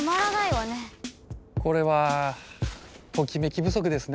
これはトキメキ不足ですね。